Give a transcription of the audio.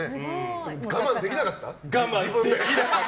我慢できなかった？